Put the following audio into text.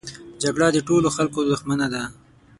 جګړه د ټولو خلکو دښمنه ده